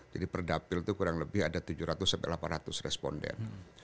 jadi per dapil itu kurang lebih ada tujuh ratus delapan ratus responden